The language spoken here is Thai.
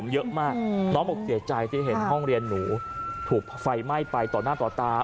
เยอะมากน้องบอกเสียใจที่เห็นห้องเรียนหนูถูกไฟไหม้ไปต่อหน้าต่อตา